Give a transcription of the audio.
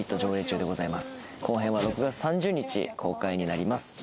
後編は６月３０日公開になります。